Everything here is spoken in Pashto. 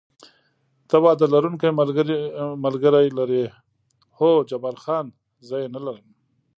ته واده لرونکی ملګری لرې؟ هو، جبار خان: زه یې نه لرم.